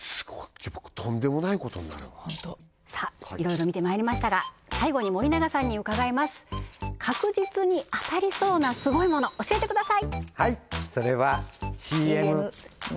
とんでもないことになるわホントいろいろ見てまいりましたが最後に森永さんに伺いますでは確実に当たりそうなもの教えてください